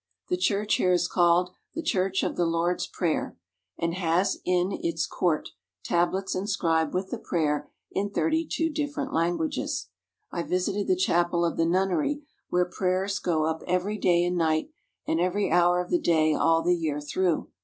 The church here is called "The Church of the Lord's Prayer," and has in its court tablets in scribed with the prayer in thirty two different languages. I visited the chapel of the nunnery, where prayers go up every day and night and every hour of the day all the year through.